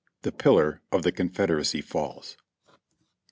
THE PILLAR OP THE CONFEDERACY FALLS.